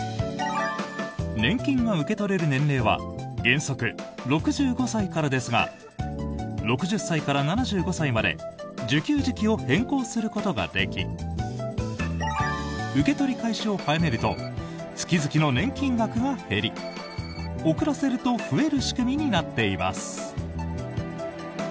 年金が受け取れる年齢は原則、６５歳からですが６０歳から７５歳まで受給時期を変更することができ受け取り開始を早めると月々の年金額が減り遅らせると増える仕組みになっています。